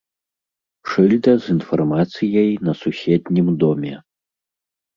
Шыльда з інфармацыяй на суседнім доме.